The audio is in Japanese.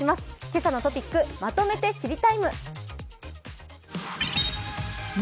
「けさのトピックまとめて知りＴＩＭＥ，」。